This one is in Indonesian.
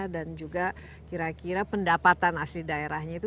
dan juga kira kira pendapatan asli daerahnya itu